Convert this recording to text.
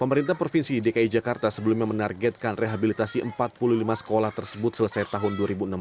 pemerintah provinsi dki jakarta sebelumnya menargetkan rehabilitasi empat puluh lima sekolah tersebut selesai tahun dua ribu enam belas